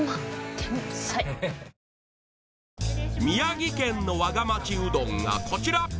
宮城県のわが町うどんがこちら！